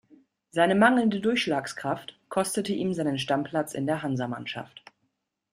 Seine mangelnde Durchschlagskraft kostete ihm seinen Stammplatz in der Hansa-Mannschaft.